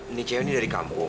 ini cewek ini dari kampung